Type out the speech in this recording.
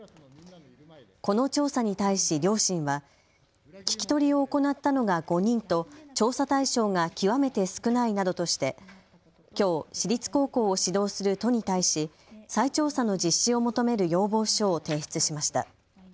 この調査に対し両親は聞き取りを行ったのが５人と調査対象が極めて少ないなどとしてきょう私立高校を指導する都に対し再調査の実施を求める要望書を提出しました。